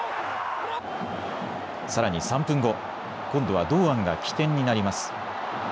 さらに３分後、今度は堂安が起点になります。